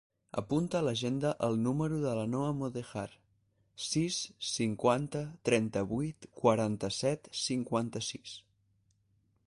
Apunta a l'agenda el número de la Noha Mondejar: sis, cinquanta, trenta-vuit, quaranta-set, cinquanta-sis.